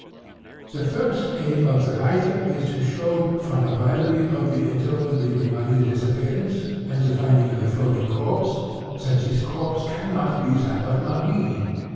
"The first aim of the writer is to show, from the brevity of the interval between Marie's disappearance and the finding of the floating corpse, that this corpse cannot be that of Marie.